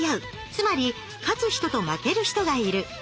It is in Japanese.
つまり勝つ人と負ける人がいる。